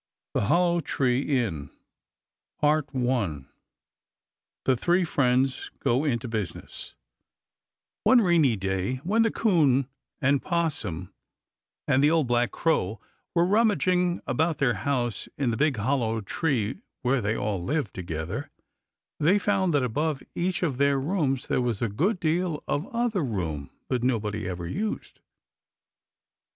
THE HOLLOW TREE INN THE THREE FRIENDS GO INTO BUSINESS One rainy day when the 'Coon and 'Possum and the Old Black Crow were rummaging about their house in the Big Hollow Tree where they all lived together, they found that above each of their rooms there was a good deal of other room that nobody ever used.